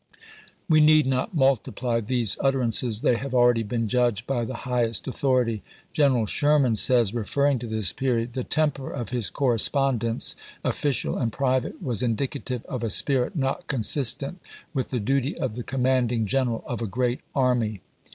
We need not multiply these utterances. They have already been judged by the highest authority, ^tiic^ Greneral Sherman says, referring to this period, of th^e^wTr " The temper of his correspondence, official and Rebemon." private, was indicative of a spirit not consistent Malaz^ne^" with the duty of the commanding general of a p.'589. ' great army."